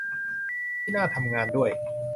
ที่น่าทำงานด้วย